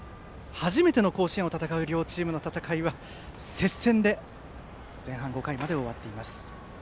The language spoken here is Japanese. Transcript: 初めての甲子園を戦う両チームの戦いは接戦で前半５回まで終わっています。